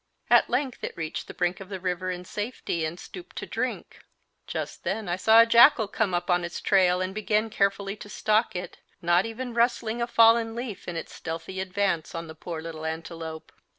At length it reached the brink of the river in safety, and stooped to drink. Just then I saw a jackal come up on its trail and begin carefully to stalk it, not even rustling a fallen leaf in its stealthy advance on the poor little antelope.